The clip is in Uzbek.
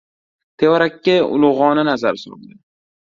Tevarakka ulug‘ona nazar soldi.